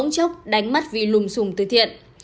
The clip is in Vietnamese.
các vị lùm xùm tư thiện